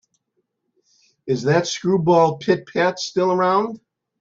Is that screwball Pit-Pat still around?